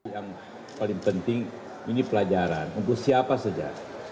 yang paling penting ini pelajaran untuk siapa saja